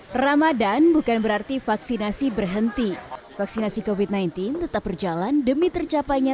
hai ramadhan bukan berarti vaksinasi berhenti vaksinasi kowe sembilan belas tetap berjalan demi tercapainya